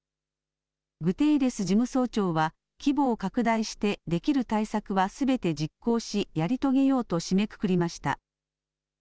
グテーレス事務総長は規模を拡大してできる対策はすべて実行しやり遂げようと締めくくりました。